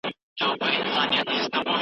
زوړ سيستم نور کار نه ورکوي.